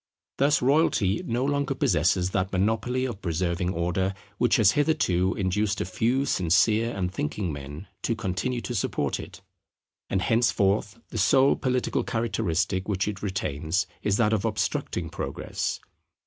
Thus royalty no longer possesses that monopoly of preserving Order, which has hitherto induced a few sincere and thinking men to continue to support it; and henceforth the sole political characteristic which it retains is that of obstructing Progress.